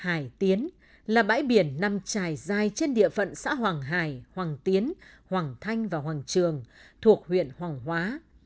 hải tiến là bãi biển nằm trải dài trên địa phận xã hoàng hải hoàng tiến hoàng thanh và hoàng trường thuộc huyện hoàng hóa